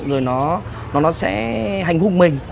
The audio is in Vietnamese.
rồi nó sẽ hành hùng mình